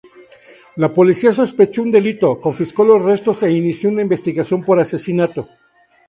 La policía sospechó un delito, confiscó los restos e inició una investigación por asesinato.